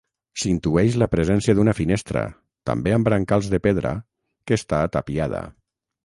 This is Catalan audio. S'intueix la presència d'una finestra, també amb brancals de pedra, que està tapiada.